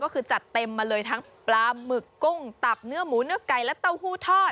ก็คือจัดเต็มมาเลยทั้งปลาหมึกกุ้งตับเนื้อหมูเนื้อไก่และเต้าหู้ทอด